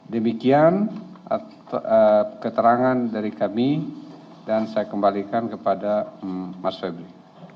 demikian keterangan dari kami dan saya kembalikan kepada mas febri